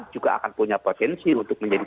juga akan punya potensi untuk menjadi